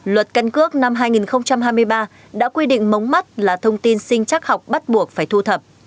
luật căn cước năm hai nghìn hai mươi ba đã quy định mống mắt là thông tin sinh chắc học bắt buộc phải thu thập